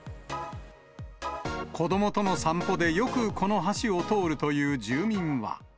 子どもとの散歩でよくこの橋を通るという住民は。